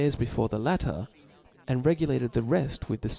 r^) See before the latter, and regulated the reft with the ^^^"carn.